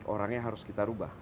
orangnya harus kita rubah